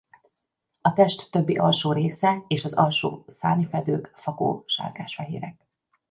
A test többi alsó része és az alsó szárnyfedők fakó sárgásfehérek.